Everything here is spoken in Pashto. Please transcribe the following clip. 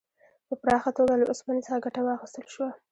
په پراخه توګه له اوسپنې څخه ګټه واخیستل شوه.